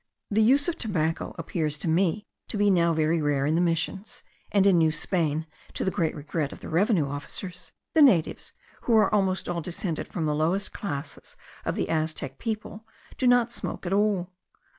The use of tobacco appears to me to be now very rare in the missions; and in New Spain, to the great regret of the revenue officers, the natives, who are almost all descended from the lowest class of the Aztec people, do not smoke at all.